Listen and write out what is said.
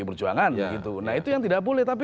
perjuangan gitu nah itu yang tidak boleh tapi